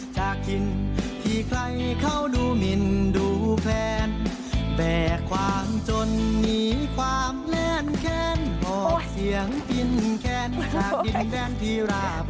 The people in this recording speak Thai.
จากกินที่ใครเขาดูหมินดูแฟนแบกความจนหนีความเล่นแคนออกเสียงกินแคนหากินแทนที่ราบ